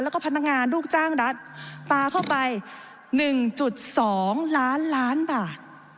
แล้วก็พนักงานลูกจ้างรัฐปลาเข้าไป๑๒ล้านล้านบาท